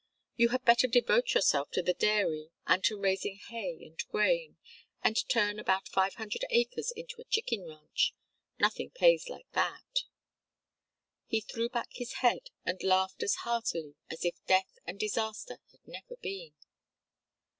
You had better devote yourself to the dairy and to raising hay and grain, and turn about five hundred acres into a chicken ranch nothing pays like that." He threw back his head and laughed as heartily as if death and disaster had never been.